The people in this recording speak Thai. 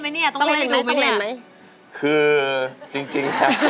สวัสดีครับคุณหน่อย